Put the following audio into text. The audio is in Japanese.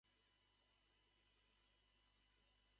お日様のにおいってなんだろう？